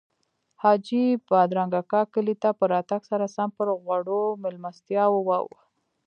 حاجي بادرنګ اکا کلي ته په راتګ سره سم پر غوړو میلمستیاوو واوښت.